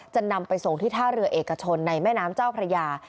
นำไปส่งที่ท่าเรือเอกชนในแม่น้ำเจ้าพระยา